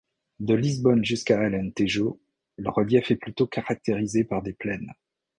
De Lisbonne jusqu'à l'Alentejo, le relief est plutôt caractérisé par des plaines.